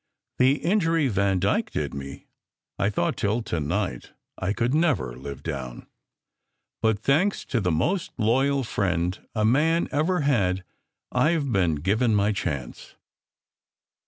The injury Vandyke did me, I thought till to night I could never live down. But thanks to the most loyal friend a man ever had I ve been given my chance."